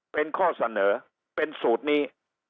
เป็นข้อเสนอเป็นสูตรนี้